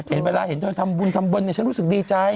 เห็นเวลาเห็นเธอทำบุญทำบุญฉันรู้สึกดีใจ